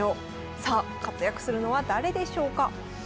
さあ活躍するのは誰でしょうか？